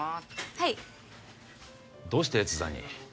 はいどうして越山に？